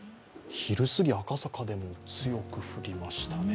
昼過ぎ、赤坂でも強く降りましたね。